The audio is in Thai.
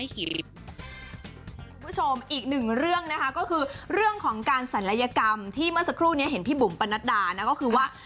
อีกหนึ่งเรื่องนะคะก็คือเรื่องของการศัลยกรรมที่เมื่อสักครู่นี้เห็นพี่บุ๋มปนัดดานะก็คือว่า